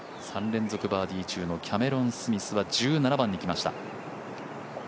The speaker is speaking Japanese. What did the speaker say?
３連続バーディー中のキャメロン・スミスは１７番に来ました。